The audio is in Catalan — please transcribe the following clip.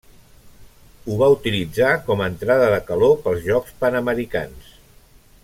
Ho va utilitzar com a entrada de calor pels Jocs Panamericans.